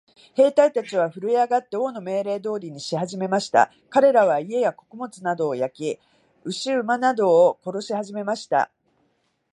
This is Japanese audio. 兵隊たちはふるえ上って、王の命令通りにしはじめました。かれらは、家や穀物などを焼き、牛馬などを殺しはじめました。